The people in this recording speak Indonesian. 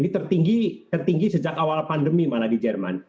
tertinggi tertinggi sejak awal pandemi malah di jerman